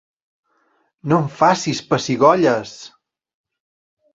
No em facis pessigolles!